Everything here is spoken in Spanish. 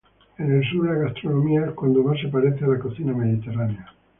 En el sur la gastronomía es cuando más se parece a la cocina mediterránea.